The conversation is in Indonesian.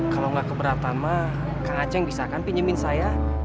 kalau gak keberatan mah kang aceh bisa kan pinjemin saya